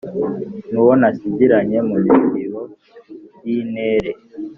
N’uwo nasigiranye mu misibo y’intere,